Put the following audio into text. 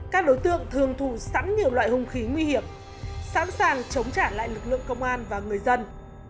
các đối tượng thường thù sẵn nhiều loại hung khí nguy hiểm sẵn sàng chống trả lại lực lượng công an và người dân